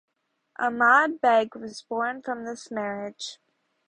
Ahmad Beg was born from this marriage.